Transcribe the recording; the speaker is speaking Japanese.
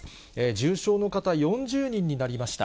重症の方、４０人になりました。